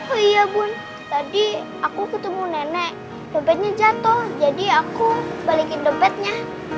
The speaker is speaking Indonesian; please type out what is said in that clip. oh iya bun tadi aku ketemu nenek dompetnya jatuh jadi aku balikin dompetnya